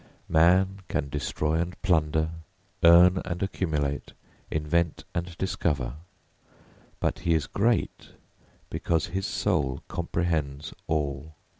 Man can destroy and plunder, earn and accumulate, invent and discover, but he is great because his soul comprehends all.